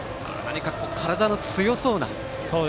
体の強そうな。